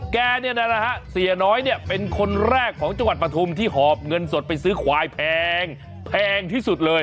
แกเนี่ยนะฮะเสียน้อยเนี่ยเป็นคนแรกของจังหวัดปฐุมที่หอบเงินสดไปซื้อควายแพงแพงที่สุดเลย